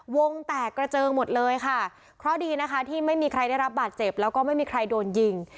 วงแตกกระเจิงหมดเลยค่ะเพราะดีนะคะที่ไม่มีใครได้รับบาดเจ็บแล้วก็ไม่มีใครโดนยิง